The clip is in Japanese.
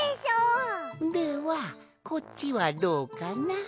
ではこっちはどうかな？